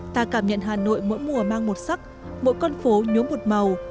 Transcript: ta cảm nhận hà nội mỗi mùa mang một sắc mỗi con phố nhốm một màu